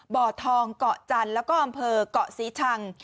บ่อทองเกาะจันทร์แล้วก็อำเภอกเกาะศรีชัง